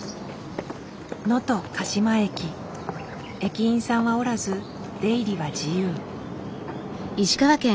駅員さんはおらず出入りは自由。